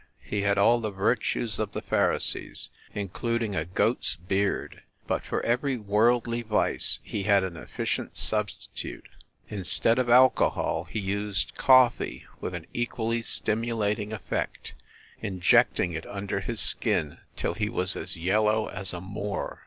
He had all the virtues of the Pharisees, including a goat s beard ; but for every worldly vice he had an efficient substitute. Instead of alcohol he used coffee with an equally stimulating effect, injecting it under his skin till he was as yellow as a Moor.